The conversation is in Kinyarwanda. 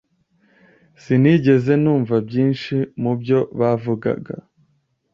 Sinigeze numva byinshi mubyo bavugaga.